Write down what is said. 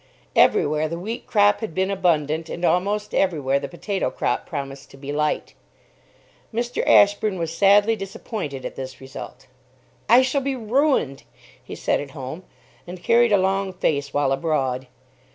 Everywhere, the wheat crop had been abundant, and almost everywhere the potato crop promised to be light. Mr. Ashburn was sadly disappointed at this result. "I shall be ruined," he said at home, and carried a long face while abroad.